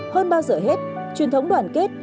hơn bao giờ hết truyền thống đoàn kết